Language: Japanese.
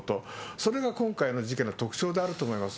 それが今回の事件の特徴であると思います。